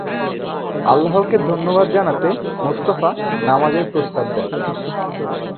আল্লাহকে ধন্যবাদ জানাতে মোস্তফা নামাজের প্রস্তাব দেন।